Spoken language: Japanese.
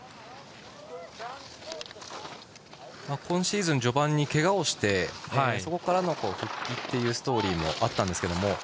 今シーズン序盤にけがをしてそこから復帰というストーリーもあったんですけれども。